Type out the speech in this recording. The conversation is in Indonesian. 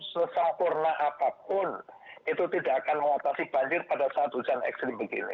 sesempurna apapun itu tidak akan mengatasi banjir pada saat hujan ekstrim begini